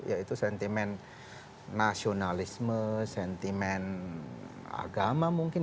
yaitu sentimen nasionalisme sentimen agama mungkin